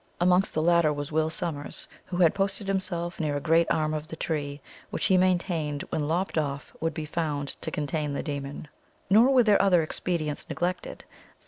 Amongst the latter was Will Sommers, who had posted himself near a great arm of the tree, which he maintained when lopped off would be found to contain the demon. Nor were other expedients neglected.